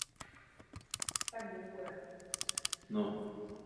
Časopis se soustředí zejména na období druhé světové války ve formátu „tehdy a nyní“.